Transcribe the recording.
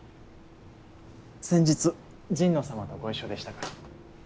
先日神野様とご一緒でしたから。